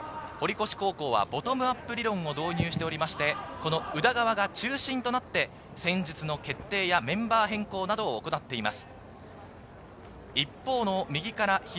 堀越高校はボトムアップ理論を導入しておりまして、宇田川が中心となって戦術の決定やメンバー変更などを行っています。